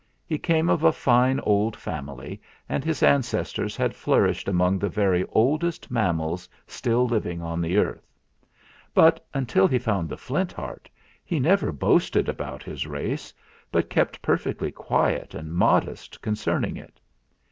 He came of a fine old family, and his ancestors had flourished among the very oldest mammals still living on the earth. But, until he found the Flint Heart, he never boasted about his race, but kept perfectly quiet and modest concerning it.